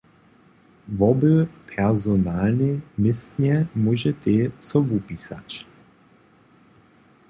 Wobě personalnej městnje móžetej so wupisać.